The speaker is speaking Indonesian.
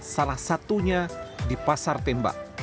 salah satunya di pasar tembak